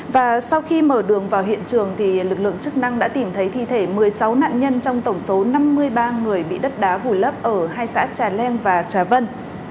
và sau khi mở đường vào hiện trường lực lượng chức năng đã tìm thấy thi thể một mươi sáu nạn nhân trong tổng số năm mươi ba người bị đất đá vùi lấp ở hai xã trà leng và trà vân